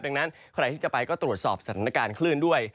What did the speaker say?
ดังนั้นใครที่จะไปก็ตรวจสอบสถานการณ์คลื่นด้วย